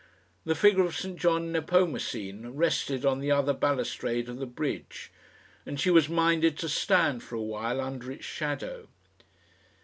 The figure of St John Nepomucene rested on the other balustrade of the bridge, and she was minded to stand for a while under its shadow.